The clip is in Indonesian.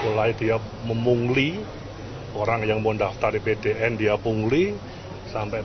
pemilihan tim petugas pemerintah mengingatkan jadi anlam fnam dia dikacaukan berlagak kabur dengan keruk compass